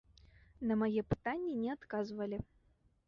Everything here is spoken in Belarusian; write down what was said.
На мае пытанні не адказвалі.